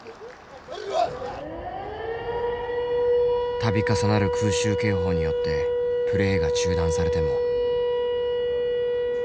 度重なる空襲警報によってプレーが中断されても。